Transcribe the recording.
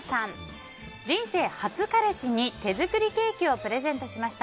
人生初彼氏に手作りケーキをプレゼントしました。